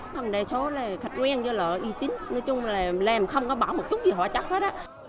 mình đề số là khách quen với lợi y tín nói chung là làm không có bảo một chút gì họ chắc hết